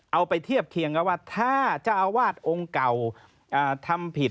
เอาไปเทียบเคียงกันว่าถ้าเจ้าอาวาสองค์เก่าทำผิด